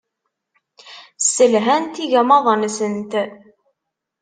Sselhant igmaḍ-nsent.